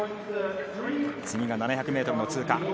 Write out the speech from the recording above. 次が７００ｍの通過。